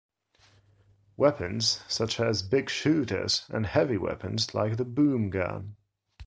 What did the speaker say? Weapons such as Big Shootas and Heavy weapons like the Boomgun.